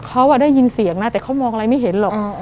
เขาได้ยินเสียงนะแต่เขามองอะไรไม่เห็นหรอก